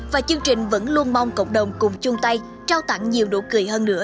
và chương trình vẫn luôn mong cộng đồng cùng chung tay trao tặng nhiều nụ cười hơn nữa